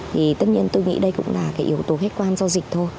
thì tất nhiên tôi nghĩ đây cũng là cái yếu tố khách quan do dịch thôi